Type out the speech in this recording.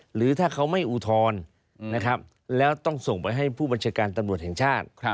หรือถ้าเขาไม่อุทธรณ์นะครับแล้วต้องส่งไปให้ผู้บัญชาการตำรวจแห่งชาติ